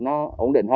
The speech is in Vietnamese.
nó ổn định